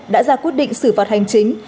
đã ra quyết định xử phạt hành chính